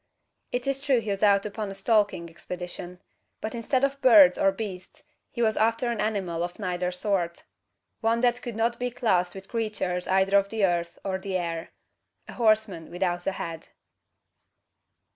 It is true he was out upon a stalking expedition; but instead of birds or beasts, he was after an animal of neither sort; one that could not be classed with creatures either of the earth or the air a horseman without a head!